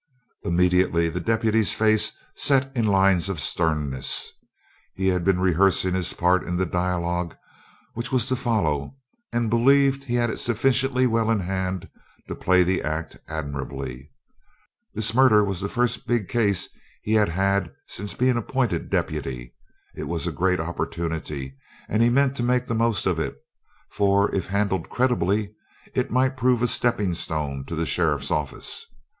Immediately the deputy's face set in lines of sternness. He had been rehearsing his part in the dialogue which was to follow and believed he had it sufficiently well in hand to play the act admirably. This murder was the first big case he had had since being appointed deputy. It was a great opportunity and he meant to make the most of it, for if handled creditably it might prove a stepping stone to the sheriff's office.